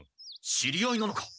知り合いなのか？